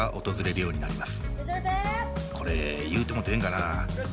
これ言うてもうてええんかな。